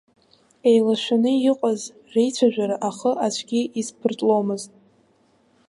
Еилашәаны иҟаз реицәажәара ахы аӡәгьы изԥыртломызт.